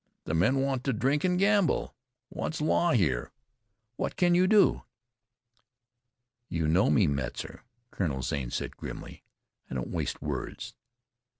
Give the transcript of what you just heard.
The men want to drink an' gamble. What's law here? What can you do?" "You know me, Metzar," Colonel Zane said grimly. "I don't waste words.